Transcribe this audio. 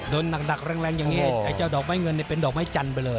โดนนักดักแรงแรงอย่างเงี้ยไอ้เจ้าดอกไม้เงินเนี่ยเป็นดอกไม้จันไปเลย